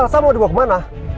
elsa mau dibawa kemana